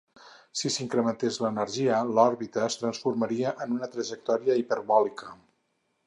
Si s'incrementés l'energia, l'òrbita es transformaria en una trajectòria hiperbòlica.